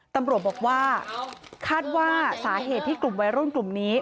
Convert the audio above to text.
ตำรวจบอกว่าคาดว่าสาเหตุที่กลุ่มวัยรุ่นกลุ่มนี้